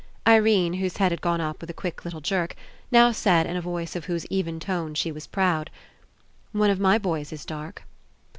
Irene, whose head had gone up with a quick little jerk, now said in a voice of whose even tones she was proud: "One of my boys IS dark."